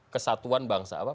kesatuan bangsa apa